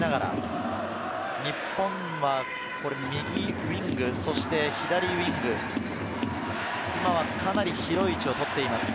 板倉が下がりながら、日本は右ウイング、そして左ウイング、かなり広い位置をとっています。